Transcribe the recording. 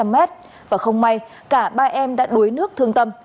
năm trăm linh mét và không may cả ba em đã đuối nước thương tâm